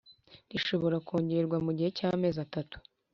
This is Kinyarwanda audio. rishobora kongerwa mu gihe cy’amezi atatu